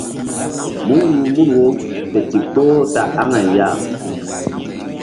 Mú ruh mun wo fe ndikpoh ta aŋay ya.